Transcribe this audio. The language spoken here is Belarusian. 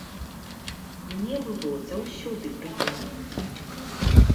Мне было заўсёды прыемна.